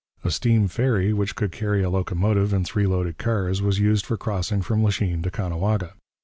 A steam ferry, which could carry a locomotive and three loaded cars, was used for crossing from Lachine to Caughnawaga.